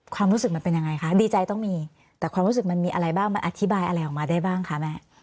ความรู้สึกมันเป็นยังไงคะดีใจต้องมีแต่ความรู้สึกมันมีอะไรบ้างมันอธิบายอะไรออกมาได้บ้างคะแม่